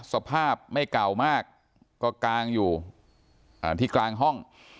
สภาพไม่เก่ามากก็กางอยู่ที่กลางห้อง